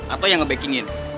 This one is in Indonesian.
atau yang ngebackingin